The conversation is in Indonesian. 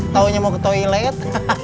taunya mau ke toilet